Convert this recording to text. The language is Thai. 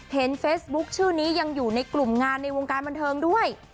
เฟซบุ๊คชื่อนี้ยังอยู่ในกลุ่มงานในวงการบันเทิงด้วย